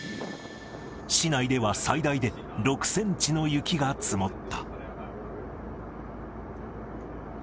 市内では最大で６センチの雪が積もった。